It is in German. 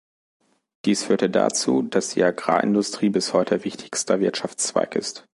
Dies führte dazu, dass die Agrarindustrie bis heute wichtigster Wirtschaftszweig ist.